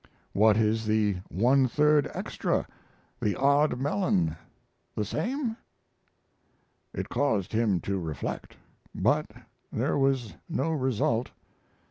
"What is the one third extra the odd melon the same?" It caused him to reflect. But there was no result.